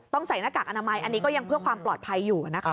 ใส่หน้ากากอนามัยอันนี้ก็ยังเพื่อความปลอดภัยอยู่นะคะ